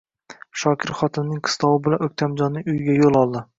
Shokir xotinining qistovi bilan O`ktamjonning uyiga yo`l oldi